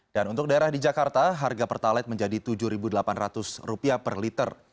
dan untuk daerah di jakarta harga pertalite menjadi rp tujuh delapan ratus per liter